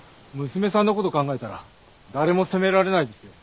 娘さんの事考えたら誰も責められないですよ。